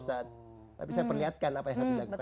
tapi saya perlihatkan apa yang harus dilakukan